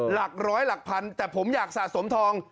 หลักร้อยหลักพันแต่ผมอยากสะสมทอง